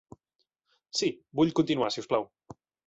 Sí, vull continuar, si us plau.